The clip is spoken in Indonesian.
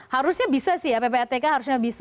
harusnya bisa sih ya